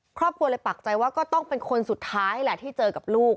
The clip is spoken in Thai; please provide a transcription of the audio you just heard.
ครอบครัวเลยปักใจว่าก็ต้องเป็นคนสุดท้ายแหละที่เจอกับลูก